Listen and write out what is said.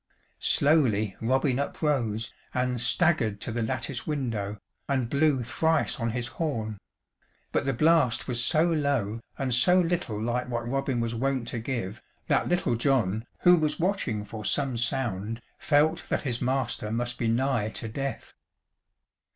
Slowly Robin uprose and staggered to the lattice window, and blew thrice on his horn; but the blast was so low, and so little like what Robin was wont to give, that Little John, who was watching for some sound, felt that his master must be nigh to death.